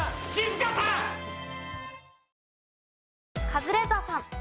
カズレーザーさん。